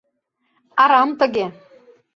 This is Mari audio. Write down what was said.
Арам тыге.